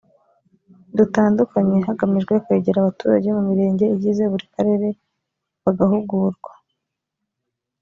dutandukanye hagamijwe kwegera abaturage mu mirenge igize buri karere bagahugurwa